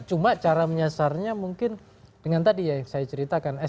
cuma cara menyasarnya mungkin dengan tadi ya yang saya ceritakan